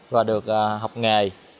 và đây em được học nghề